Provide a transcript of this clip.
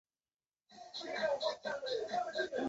该机场曾经用作英国皇家空军的。